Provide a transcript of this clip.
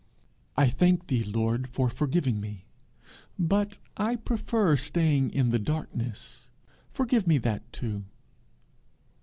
'I thank thee, Lord, for forgiving me, but I prefer staying in the darkness: forgive me that too.'